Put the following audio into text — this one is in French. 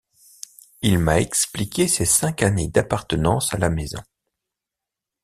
il m'a expliqué ses cinq années d'appartenance à la maison.